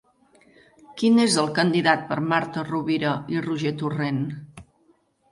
Qui és el candidat per Marta Rovira i Roger Torrent?